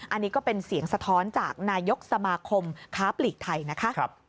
อันนี้ก็เป็นเสียงสะท้อนจากนายกสมาคมค้าปลีกไทยนะคะ